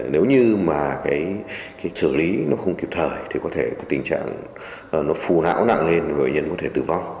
nếu như mà cái xử lý nó không kịp thời thì có thể tình trạng nó phù não nặng lên và bệnh nhân có thể tử vong